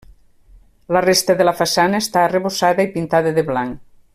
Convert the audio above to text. La resta de la façana està arrebossada i pintada de blanc.